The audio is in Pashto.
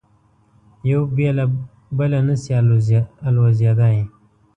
یو بې له بله نه شي الوزېدای.